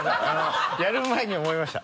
やる前に思いました。